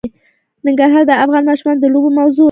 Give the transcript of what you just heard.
ننګرهار د افغان ماشومانو د لوبو موضوع ده.